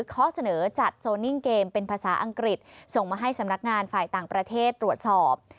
ข้อเสนอจัดโซนิ่งเกมเป็นภาษาอังกฤษส่งมาให้สำนักงานฝ่ายต่างประเทศตรวจสอบ